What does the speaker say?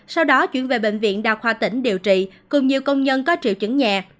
sau đó chuyển về bệnh viện đa khoa tỉnh điều trị cùng nhiều công nhân có triệu chứng nhẹ